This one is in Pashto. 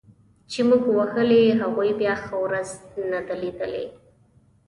چي موږ وهلي هغوی بیا ښه ورځ نه ده لیدلې